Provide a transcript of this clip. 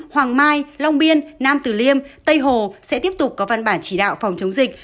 hoàng mai long biên nam tử liêm tây hồ sẽ tiếp tục có văn bản chỉ đạo phòng chống dịch